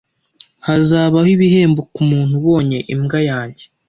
Hazabaho ibihembo kumuntu ubonye imbwa yanjye